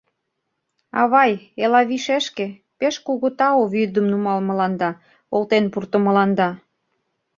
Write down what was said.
Авай, Элавий шешке, пеш кугу тау вӱдым нумалмыланда, олтен пуртымыланда.